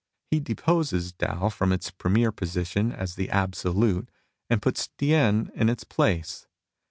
He deposes Tao from its premier position as the Absolute, and puts Tien in its place.